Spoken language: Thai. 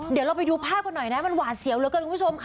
เดี๋ยวเราไปดูภาพกันหน่อยนะมันหวาดเสียวเหลือเกินคุณผู้ชมค่ะ